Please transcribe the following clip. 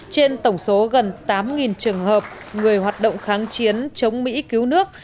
trên tổng số gần tám trường hợp người hoạt động kháng chiến chống mỹ cứu nước